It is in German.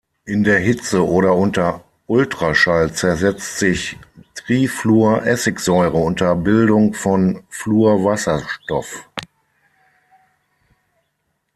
In der Hitze oder unter Ultraschall zersetzt sich Trifluoressigsäure unter Bildung von Fluorwasserstoff.